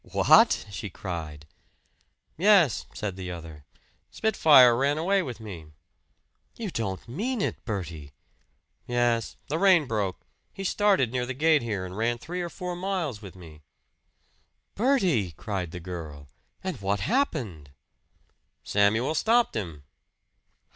"What!" she cried. "Yes," said the other. "Spitfire ran away with me." "You don't mean it, Bertie!" "Yes. The rein broke. He started near the gate here and ran three or four miles with me." "Bertie!" cried the girl. "And what happened?" "Samuel stopped him."